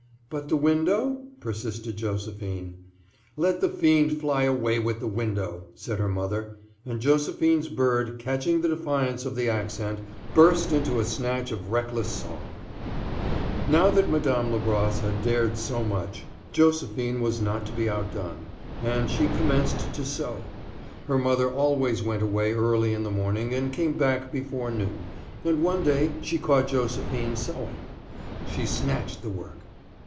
"But the window?" persisted Josephine. "Let the fiend fly away with the window!" said her mother; and Josephine's bird, catching the defiance of the accent, burst into a snatch of reckless song. Now that Madame Labrosse had dared so much, Josephine was not to be outdone, and she commenced to sew. Her mother always went away early in the morning and came back before noon, and one day she caught Josephine sewing. She snatched the work.